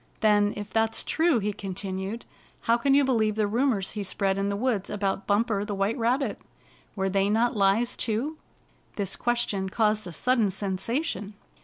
" Then, if that's true," he continued, " how can you believe the rumors he spread in the woods about Bumper the White Rabbit? Were they not lies too?" This question caused a sudden sensation.